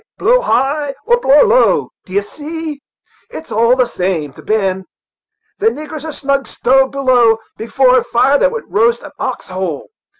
blow high or blow low, d'ye see, it's all the same thing to Ben. The niggers are snug stowed below before a fire that would roast an ox whole.